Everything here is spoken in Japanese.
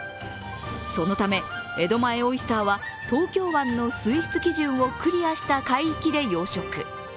そのため、江戸前オイスターは東京湾の水質基準をクリアした海域で養殖。